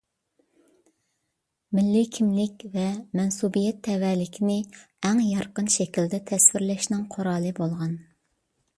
مىللىي كىملىك ۋە مەنسۇبىيەت تەۋەلىكىنى ئەڭ يارقىن شەكىلدە تەسۋىرلەشنىڭ قورالى بولغان.